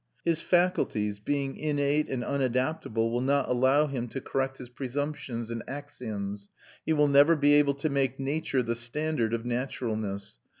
His faculties being innate and unadaptable will not allow him to correct his presumptions and axioms; he will never be able to make nature the standard of naturalness.